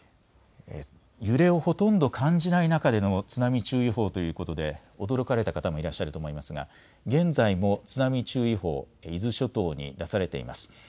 揺れをほとんど感じない中での津波注意報ということで驚かれた方もいらっしゃると思いますが現在も津波注意報、伊豆諸島に出されています。